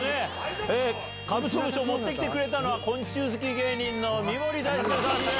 カブトムシを持ってきてくれたのは昆虫好き芸人の三森大輔さんです。